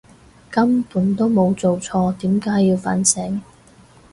根本都冇做錯，點解要反省！